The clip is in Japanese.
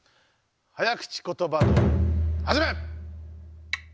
早口ことば道はじめ！